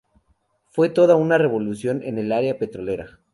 Fue toda una revolución en el área petrolera.